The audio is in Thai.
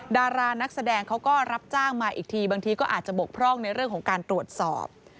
ดารานักแสดงเขาก็รับจ้างมาอีกทีบางทีก็อาจจะบกพร่องในเรื่องของการตรวจสอบ